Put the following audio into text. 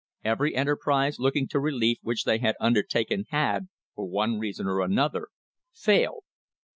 Every enterprise looking to relief which they had undertaken had, for one reason or another, failed.